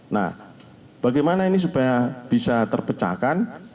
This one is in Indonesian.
nah bagaimana ini supaya bisa terpecahkan